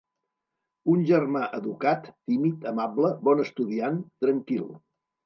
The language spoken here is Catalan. Un germà educat, tímid, amable, bon estudiant, tranquil.